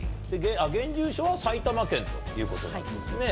現住所は埼玉県ということなんですね。